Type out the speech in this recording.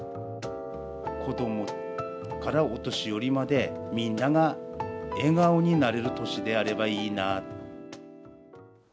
子どもからお年寄りまでみんなが笑顔になれる年であればいいな。